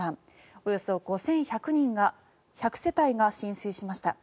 およそ５１００世帯が浸水しました。